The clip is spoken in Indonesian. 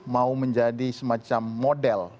mau menjadi semacam model